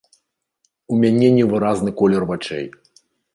У мяне невыразны колер вачэй.